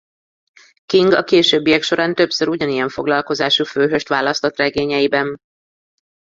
King a későbbiek során többször ugyanilyen foglalkozású főhőst választott regényeiben.